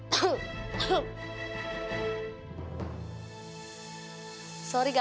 formas sudah kekit kakak